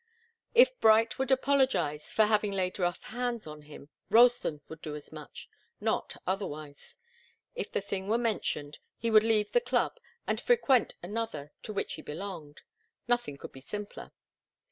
If Bright would apologize for having laid rough hands on him, Ralston would do as much not otherwise. If the thing were mentioned, he would leave the club and frequent another to which he belonged. Nothing could be simpler.